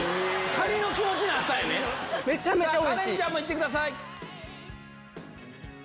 カレンちゃんも行ってください。